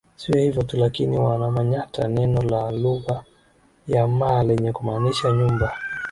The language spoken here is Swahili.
Sio hivyo tu lakini wana manyata neno la lugha ya Maa lenye kumaanisha nyumba